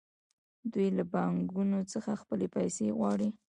دوی له بانکونو څخه خپلې پیسې غواړي